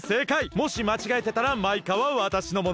もしまちがえてたらマイカはわたしのもの。